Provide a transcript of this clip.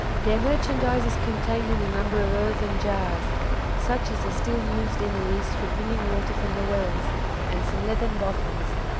Their merchandise is contained in a number of earthen jars, such as are still used in the East for bringing water from the wells, and some leathern bottles.